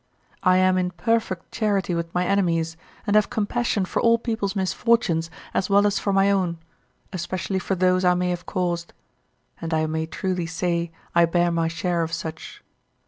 I am in perfect charity with my enemies, and have compassion for all people's misfortunes as well as for my own, especially for those I may have caused; and I may truly say I bear my share of such.